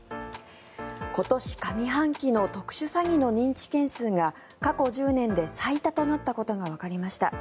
今年上半期の特殊詐欺の認知件数が過去１０年で最多となったことがわかりました。